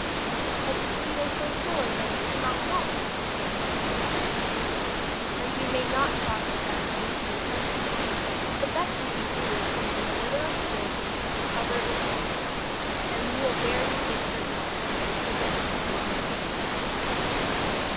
'But your feet are so sore that you cannot walk,' answered Dig. 'And we may not cross the bounds into your country. The best we can do is to make a litter of twigs and cover it with moss, and we will bear you into the mountains, and present you to our king.'